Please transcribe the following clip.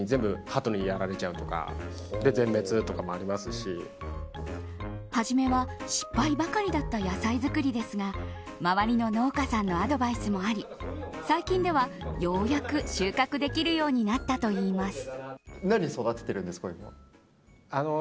しかし。初めは失敗ばかりだった野菜作りですが周りの農家さんのアドバイスもあり最近では、ようやく収穫できるようになったといいます。